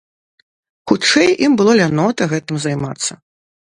Хутчэй, ім было лянота гэтым займацца.